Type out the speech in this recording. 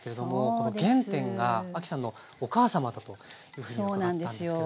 この原点が亜希さんのお母様だというふうに伺ったんですけども。